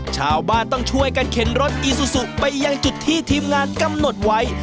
ชาวบ้านต้องช่วยกันเข็นรถอีซูซูไปยังจุดที่ทีมงานกำหนดไว้